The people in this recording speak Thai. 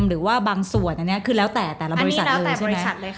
หรือว่าบางส่วนอันนี้คือแล้วแต่แต่ละบริษัทเลยใช่ไหม